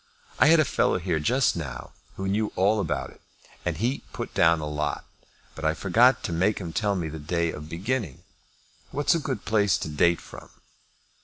I had a fellow here just now who knew all about it, and he put down a lot; but I forgot to make him tell me the day of beginning. What's a good place to date from?"